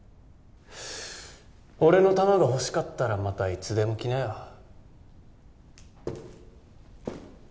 俺の命が欲しかったらまたいつでも来なよ。